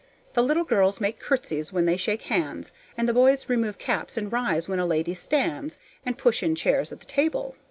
The little girls make curtseys when they shake hands, and the boys remove caps and rise when a lady stands, and push in chairs at the table.